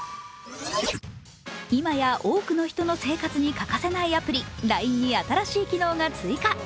今や多くの人の生活に欠かせないアプリ・ＬＩＮＥに新しい機能が追加。